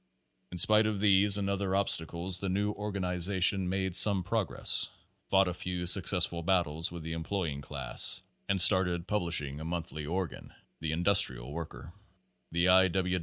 In spite of these and other obstacles the new or ganization made some progress ; fought a few success ful battles with the employing class, and started pub lishing a monthly organ, "The Industrial Worker." The I. W.